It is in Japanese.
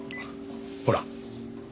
ほら。